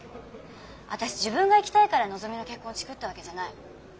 私自分が行きたいからのぞみの結婚チクったわけじゃない。